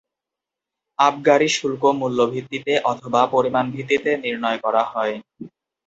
আবগারি শুল্ক মূল্যভিত্তিতে অথবা পরিমাণভিত্তিতে নির্ণয় করা হয়।